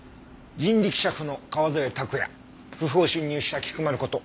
人力車夫の川添卓弥不法侵入した菊丸こと